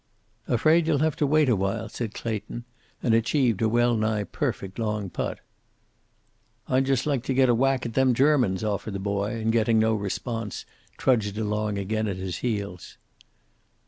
"Afraid you'll have to wait a while," said Clayton and achieved a well nigh perfect long putt. "I'd just like to get a whack at them Germans," offered the boy, and getting no response, trudged along again at his heels.